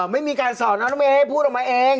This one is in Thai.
ไม่มีการสอนนะน้องเมย์ให้พูดออกมาเอง